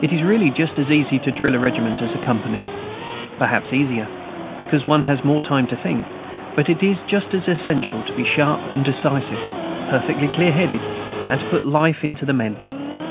It is really just as easy to drill a regiment as a company, perhaps easier, because one has more time to think; but it is just as essential to be sharp and decisive, perfectly clearheaded, and to put life into the men.